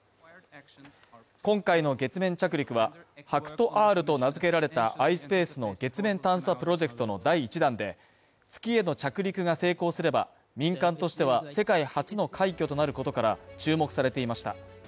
今回の月面着陸は、ＨＡＫＵＴＯ−Ｒと名付けられたｉｓｐａｃｅの月面探査プロジェクトの第１弾で月への着陸が成功すれば、民間としては世界初の快挙となることから注目されていました。